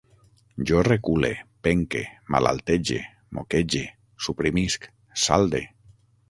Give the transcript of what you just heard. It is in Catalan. Jo recule, penque, malaltege, moquege, suprimisc, salde